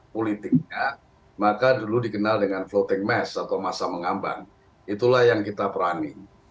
politiknya maka dulu dikenal dengan floating mass atau masa mengambang itulah yang kita perani